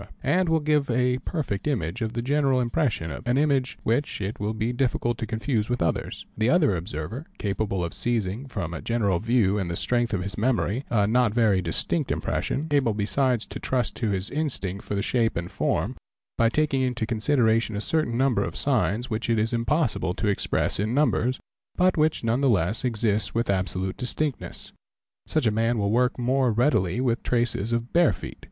and will give a perfect image of the general impression, an image which it will be difficult to confuse with others. The other observer capable of seizing, from a general view and the strength of his memory, a not very distinct impression—able besides to trust to his instinct for shape and form, by taking into consideration a certain number of signs which it is impossible to express in numbers but which none the less exist with absolute distinctness—such a man will work more readily — with traces of bare feet.